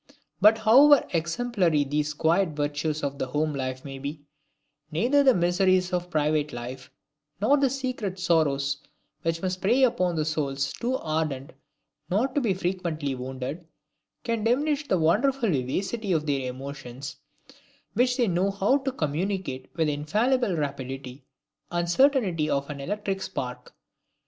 But however exemplary these quiet virtues of the home life may be, neither the miseries of private life, nor the secret sorrows which must prey upon souls too ardent not to be frequently wounded, can diminish the wonderful vivacity of their emotions, which they know how to communicate with the infallible rapidity and certainty of an electric spark.